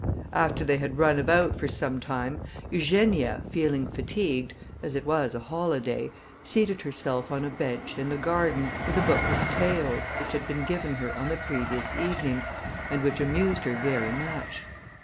After they had run about for some time, Eugenia, feeling fatigued, as it was a holiday, seated herself on a bench in the garden, with a book of tales, which had been given her on the previous evening, and which amused her very much.